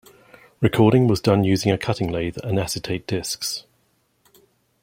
Recording was done using a cutting lathe and acetate discs.